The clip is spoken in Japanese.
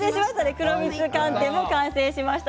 黒蜜寒天、完成しました。